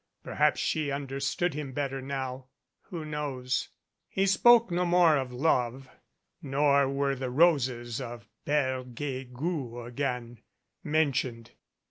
Perhaps she understood him better now. Who knows? He spoke no more of love, nor were the roses of Pere Guegou again mentioned.